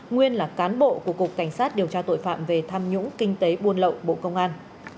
nguyên là cán bộ của cục cảnh sát điều tra tội phạm về tham nhũng kinh tế buôn lậu bộ công an